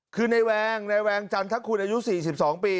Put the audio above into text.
คือในแวงในแวงจันทคุณอายุ๔๒ปี